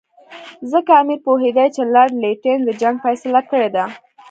ځکه امیر پوهېدی چې لارډ لیټن د جنګ فیصله کړې ده.